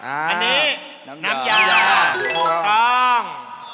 อันนี้น้ำยาถูกต้อง